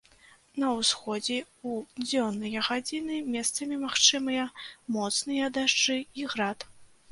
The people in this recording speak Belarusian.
На ўсходзе ў дзённыя гадзіны месцамі магчымыя моцныя дажджы і град.